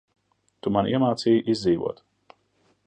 Tu man iemācīji izdzīvot.